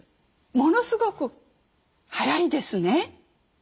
ものすごく速いですね。